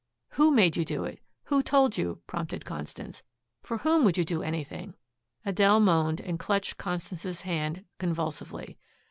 "Who made you do it? Who told you?" prompted Constance. "For whom would you do anything?" Adele moaned and clutched Constance's hand convulsively.